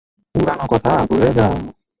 পুরানো কথা ভুলে যাও।